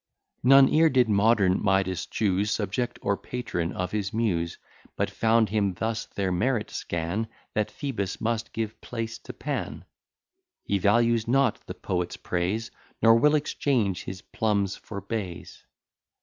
None e'er did modern Midas chuse Subject or patron of his muse, But found him thus their merit scan, That Phoebus must give place to Pan: He values not the poet's praise, Nor will exchange his plums for bays.